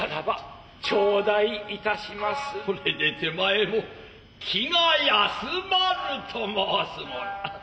これで手前も気が休まると申すもの。